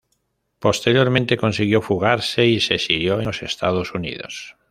Posteriormente, consiguió fugarse y se exilió en los Estados Unidos.